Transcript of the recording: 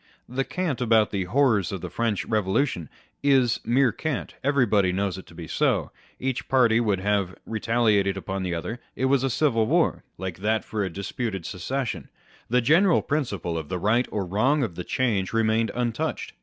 The cant about the horrors of the French Eevolution is mere cant â€" everybody knows it to be so ; each party would have retaliated upon the other: it was a civil war, like that for a disputed succession ; the general principle of the right or wrong of the change remained untouched.